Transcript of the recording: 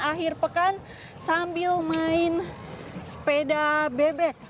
akhir pekan sambil main sepeda bebek